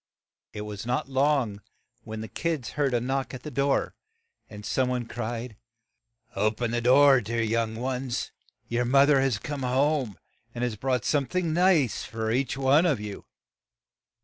It was not long when the kids heard a knock at the door, and some one cried, "O pen the door, dear young ones; your moth er has come home, and has brought some thing nice for each one of you."